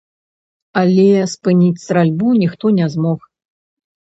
Але спыніць стральбу ніхто не змог.